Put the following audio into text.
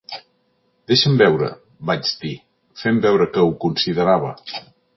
"Deixa'm veure", vaig dir, fent veure que ho considerava.